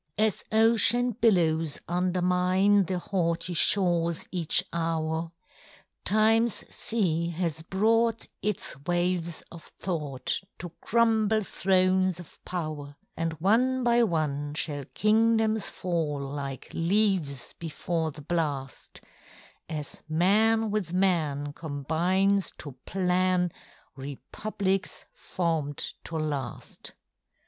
As ocean billows undermine The haughty shores each hour, TimeŌĆÖs sea has brought its waves of thought To crumble thrones of power; And one by one shall kingdoms fall Like leaves before the blast, As man with man combines to plan Republics formed to last.